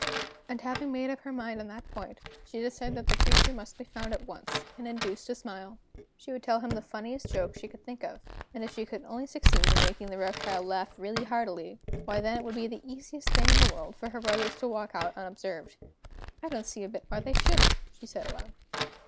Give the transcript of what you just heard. And having made up her mind on that point, she decided that the creature must be found at once, and induced to smile! She would tell him the funniest joke she could think of, and if she could only succeed in making the reptile laugh really heartily, why then it would be the easiest thing in the world for her brothers to walk out unobserved. "I don't see a bit why they shouldn't," she said aloud.